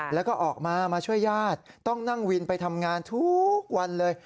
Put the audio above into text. แล้วก็ออกมามาช่วยญาติต้องนั่งวินไปทำงานทุกวันเลย